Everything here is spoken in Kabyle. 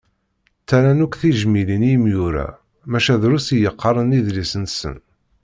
Ttarran akk tijmilin i imyura, maca drus i yeqqaren idlisen-nsen.